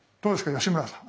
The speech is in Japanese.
吉村さん。